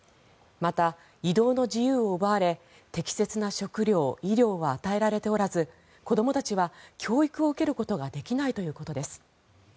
また、移動の自由を奪われ適切な食糧、医療は与えられておらず子どもたちは教育を受けることができないということです。